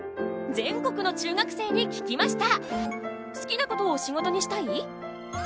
全国の中学生に聞きました！